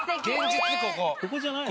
ここじゃないの？